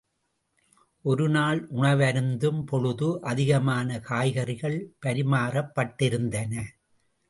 ஒரு நாள் உணவருந்தும் பொழுது, அதிகமான காய்கறிகள் பரிமாறப்பட்டிருந்தன.